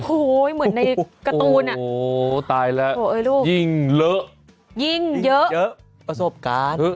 โอ้โหเหมือนในการ์ตูนอ่ะโอ้โหตายแล้วยิ่งเลอะยิ่งเยอะประสบการณ์